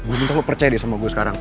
gue minta lo percaya deh sama gue sekarang